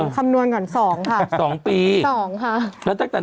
ถามปีเลยอ่ะค่ะ